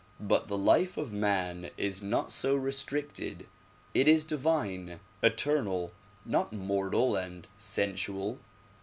But the life of man is not so restricted; it is divine, eternal, not mortal and sensual.